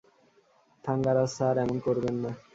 Thangaraj sir, এমন করবেন না।